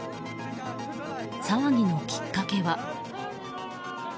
騒ぎのきっかけは。